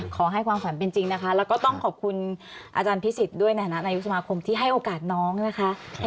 ขอให้ความฝันเป็นจริงนะคะแล้วก็ต้องขอบคุณอาจารย์พิสิทธิ์ด้วยในฐานะนายกสมาคมที่ให้โอกาสน้องนะคะ